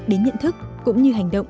đến nhận thức cũng như hành động